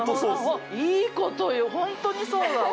いいこと言う、本当にそうだわ。